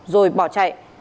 rồi bỏ chạy